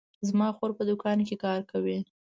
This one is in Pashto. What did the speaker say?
زما خور په دوکان کې کار کوي